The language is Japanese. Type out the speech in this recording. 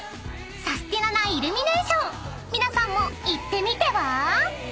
［サスティななイルミネーション皆さんも行ってみては？］